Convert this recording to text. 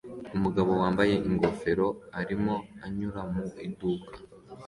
Umugabo wambaye ingofero arimo anyura mu iduka